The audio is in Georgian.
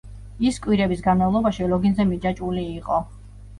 ის კვირების განმავლობაში ლოგინზე მიჯაჭვული იყო.